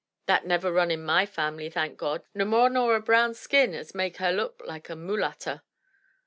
That niver run i' my family, thank God! no more nor a brown skin as makes her look like a mulatter!"